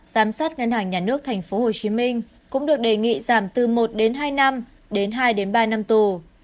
giám sát ngân hàng nhà nước tp hcm cũng được đề nghị giảm từ một đến hai năm đến hai ba năm tù